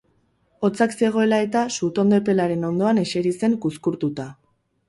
Hotzak zegoela eta, sutondo epelaren ondoan eseri zen kuzkurtuta.